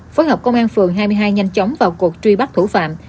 phối hợp công an phường hai mươi hai nhanh chóng vào cuộc truy bắt thủ phạm